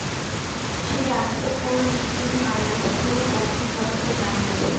সেই আঘাতের কারণেই তিনি মারা গেছেন বলে প্রাথমিক তদন্তে জানা গেছে।